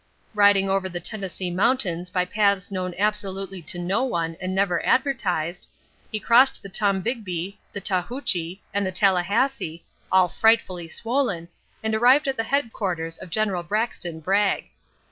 Riding over the Tennessee mountains by paths known absolutely to no one and never advertised, he crossed the Tombigbee, the Tahoochie and the Tallahassee, all frightfully swollen, and arrived at the headquarters of General Braxton Bragg.